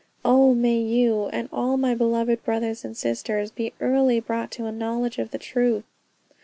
Oh may you, and all my beloved brothers and sisters, be early brought to a knowledge of the truth.